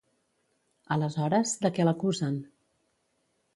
Aleshores, de què l'acusen?